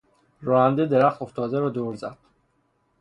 راننده درخت افتاده را دور زد.